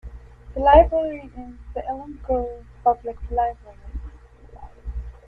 The library is the Elm Grove Public Library.